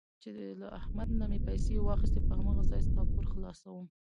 چې له احمد نه مې پیسې واخیستلې په هماغه ځای ستا پور خلاصوم.